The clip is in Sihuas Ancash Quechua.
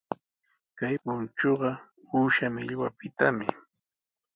Kay punchuqa uusha millwapitami.